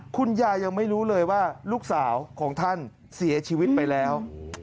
คุณยายยังไม่รู้เลยว่าลูกสาวของท่านเสียชีวิตไปแล้ว